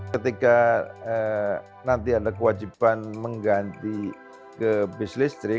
ketika nanti ada kewajiban mengganti ke bis listrik